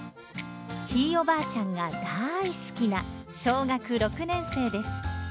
ひいおばあちゃんが大好きな小学６年生です